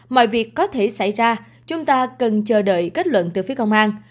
mọi việc có thể xảy ra chúng ta cần chờ đợi kết luận từ phía công an